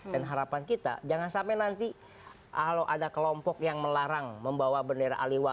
dan harapan kita jangan sampai nanti kalau ada kelompok yang melarang membawa bendera aliwa